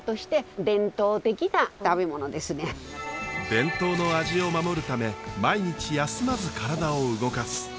伝統の味を守るため毎日休まず体を動かす。